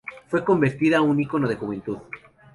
Fue convertida un icono de juventud.